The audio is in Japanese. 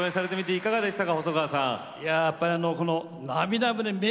いかがでしたか？